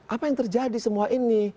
apa yang terjadi semua ini